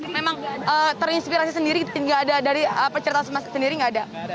memang terinspirasi sendiri nggak ada dari perceritaan sendiri nggak ada